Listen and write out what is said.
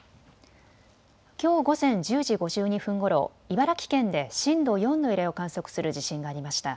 きょう午前１０時５２分ごろ茨城県で震度４の揺れを観測する地震がありました。